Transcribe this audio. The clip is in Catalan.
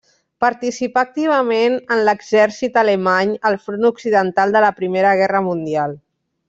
Participà activament en l'exèrcit alemany al front occidental de la Primera Guerra Mundial.